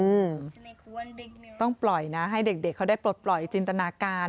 อืมต้องปล่อยนะให้เด็กเด็กเขาได้ปลดปล่อยจินตนาการ